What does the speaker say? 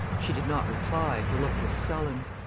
She did not reply, her look was sullen.